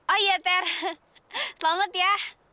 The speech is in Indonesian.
oh iya ter selamat ya